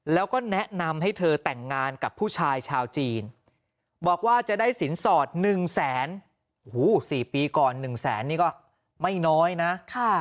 สมบัติก่อน๑๐๐๐๐๐นี่ก็ไม่น้อยนะ